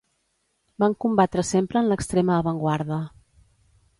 Van combatre sempre en l'extrema avantguarda.